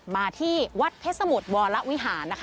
มาที่วัดเพชรสมุทรวรวิหารนะคะ